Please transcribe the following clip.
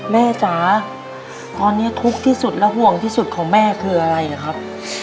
แม่จ๋าตอนนี้ทุกข์ที่สุดและห่วงที่สุดของแม่คืออะไรครับ